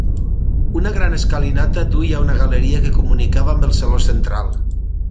Una gran escalinata duia a una galeria que comunicava amb el saló central.